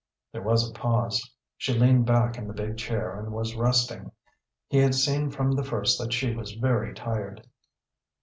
There was a pause. She leaned back in the big chair and was resting; he had seen from the first that she was very tired.